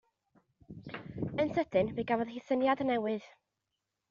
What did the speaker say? Yn sydyn fe gafodd hi syniad newydd.